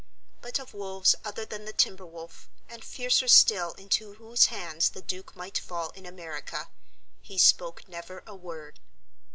But of wolves other than the timber wolf, and fiercer still into whose hands the Duke might fall in America, he spoke never a word.